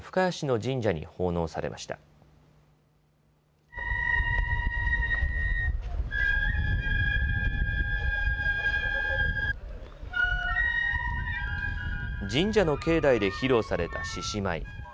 神社の境内で披露された獅子舞。